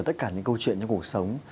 tất cả những câu chuyện trong cuộc sống